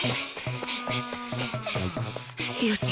よし。